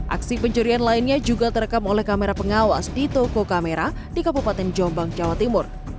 aksi pencurian lainnya juga terekam oleh kamera pengawas di toko kamera di kabupaten jombang jawa timur